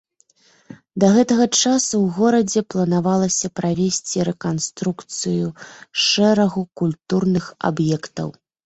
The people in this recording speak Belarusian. Да гэтага часу ў горадзе планавалася правесці рэканструкцыю шэрагу культурных аб'ектаў.